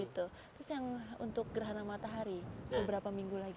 terus yang untuk gerhana matahari beberapa minggu lagi